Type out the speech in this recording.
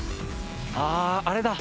あー、あれだ。